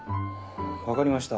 わかりました。